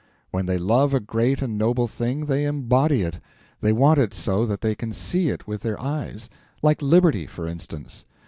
When they love a great and noble thing, they embody it—they want it so that they can see it with their eyes; like liberty, for instance.